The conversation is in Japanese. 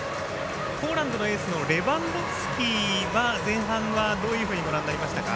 ポーランドのエースのレバンドフスキは前半は、どういうふうにご覧になりましたか。